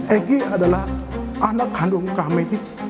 egy adalah anak kandung kami